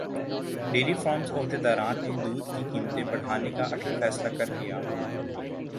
dairy farms عہدیداران نے دودھ کی قیمتیں بڑھانے کا اٹل فیصلہ کرلیا